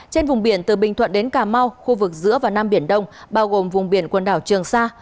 trên vùng biển từ bình thuận đến cà mau khu vực giữa và nam biển đông bao gồm vùng biển quần đảo trường sa